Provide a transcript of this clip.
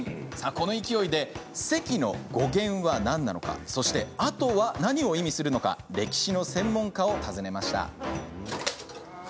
この勢いで「せき」の語源は何なのかそして、「あと」は何を意味するのか歴史の専門家を訪ねます。